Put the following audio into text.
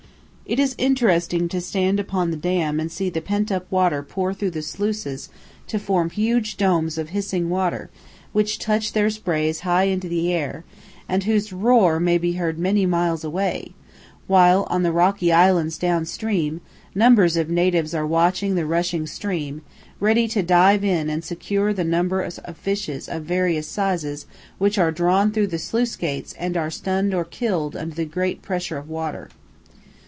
It is interesting to stand upon the dam and see the pent up water pour through the sluices to form huge domes of hissing water which toss their sprays high into the air, and whose roar may be heard many miles away, while on the rocky islands down stream numbers of natives are watching the rushing stream, ready to dive in and secure the numbers of fish of various sizes which are drawn through the sluice gates and are stunned or killed under the great pressure of water.